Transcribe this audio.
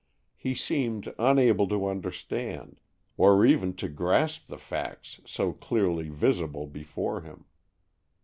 He seemed unable to understand, or even to grasp the facts so clearly visible before him.